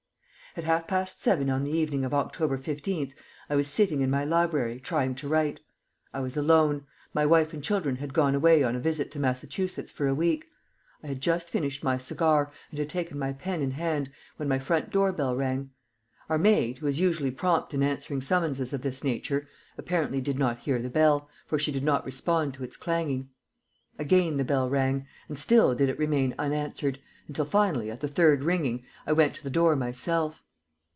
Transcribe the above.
At half past seven o'clock on the evening of October 15th I was sitting in my library trying to write. I was alone. My wife and children had gone away on a visit to Massachusetts for a week. I had just finished my cigar, and had taken my pen in hand, when my front door bell rang. Our maid, who is usually prompt in answering summonses of this nature, apparently did not hear the bell, for she did not respond to its clanging. Again the bell rang, and still did it remain unanswered, until finally, at the third ringing, I went to the door myself.